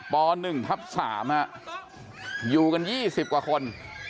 ป๑ทับ๓อยู่กัน๒๐กว่าคน